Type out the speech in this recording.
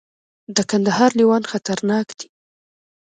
د کندهار لیوان خطرناک دي